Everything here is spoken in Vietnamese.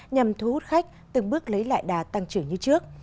nhằm thu hút khách từng bước lấy lại đà tăng trưởng như trước